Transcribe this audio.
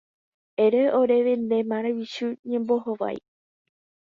Ere oréve ne maravichu ñembohovái.